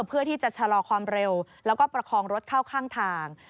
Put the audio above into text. เพื่อที่จะชะลอความเร็วแล้วก็ประคองรถเข้าข้างทาง